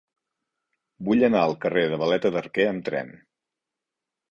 Vull anar al carrer de Valeta d'Arquer amb tren.